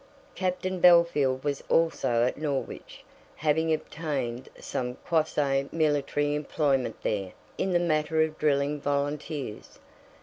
Captain Bellfield was also at Norwich, having obtained some quasi military employment there in the matter of drilling volunteers.